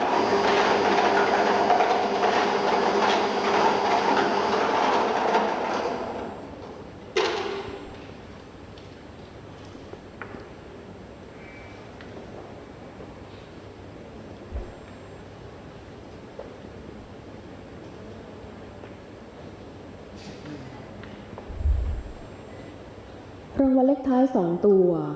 พร้อมแล้วจะออกกำลังวัลเลขท้าย๒ตัว